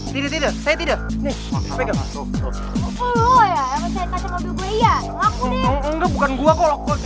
tidak tidak saya tidak